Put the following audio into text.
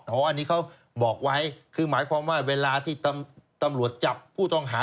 อันนี้เขาบอกไว้คือหมายความว่าเวลาที่ตำรวจจับผู้ต้องหา